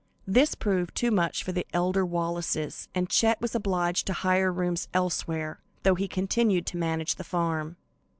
This proved too much for the elder Wallaces, and Chet was obliged to hire rooms elsewhere, though he continued to manage the farm.